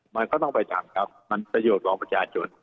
มันก็ต้องไปทำครับมันประโยชน์ของประชาชน